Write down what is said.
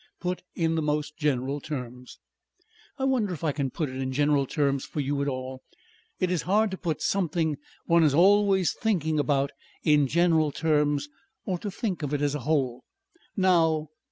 "Put in the most general terms." "I wonder if I can put it in general terms for you at all. It is hard to put something one is always thinking about in general terms or to think of it as a whole.... Now....